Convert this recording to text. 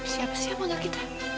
siapa sih yang mau ngegita